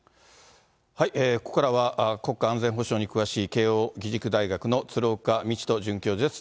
ここからは国家安全保障に詳しい、慶應義塾大学の鶴岡路人准教授です。